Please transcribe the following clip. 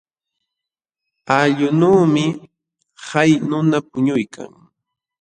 Allqunuumi hay nuna puñuykan.